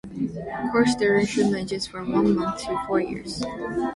Course duration ranges from one month to four years.